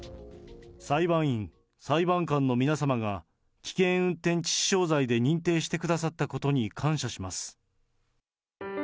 裁判員、裁判官の皆様が、危険運転致死傷罪で認定してくださったことに感謝します。